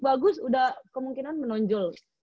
bagus udah kemungkinan menonjol